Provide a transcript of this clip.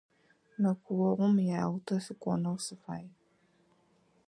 Мэкъуогъум Ялтэ сыкӏонэу сыфай.